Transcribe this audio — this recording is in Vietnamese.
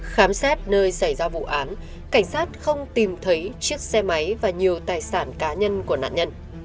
khám xét nơi xảy ra vụ án cảnh sát không tìm thấy chiếc xe máy và nhiều tài sản cá nhân của nạn nhân